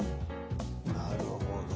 なるほど。